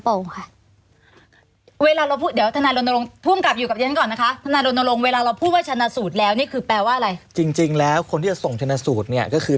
ทหราโรงเวลาเราพูดว่าชะนสูตแล้วนี่คือแปลว่าอะไร